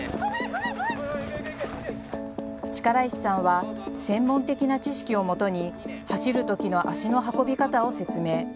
力石さんは専門的な知識をもとに走るときの足の運び方を説明。